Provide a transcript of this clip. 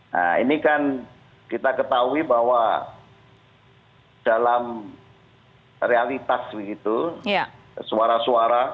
nah ini kan kita ketahui bahwa dalam realitas begitu suara suara